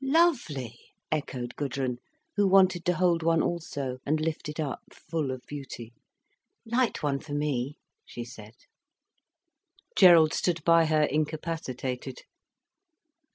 "Lovely," echoed Gudrun, who wanted to hold one also, and lift it up full of beauty. "Light one for me," she said. Gerald stood by her, incapacitated.